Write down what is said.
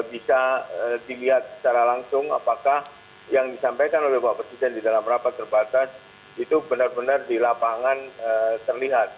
bisa dilihat secara langsung apakah yang disampaikan oleh bapak presiden di dalam rapat terbatas itu benar benar di lapangan terlihat